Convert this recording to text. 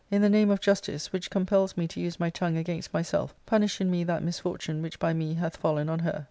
I n the name of justice, which compels me to use my tongue against myself, punish in me that misfortune which by me hath fallen on her."